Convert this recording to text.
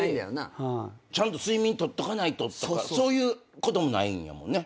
ちゃんと睡眠とっとかないととかそういうこともないんやもんね。